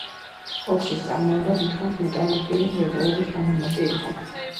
კოქსის წარმოება დიდხანს მეტალურგიული მრეწველობის დანამატი იყო.